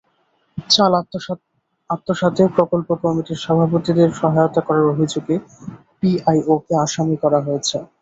চাল আত্মসাতে প্রকল্প কমিটির সভাপতিদের সহায়তা করার অভিযোগে পিআইওকে আসামি করা হয়েছে।